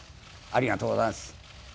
ありがとうございます。